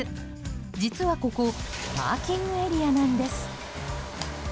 実は、ここパーキングエリアなんです。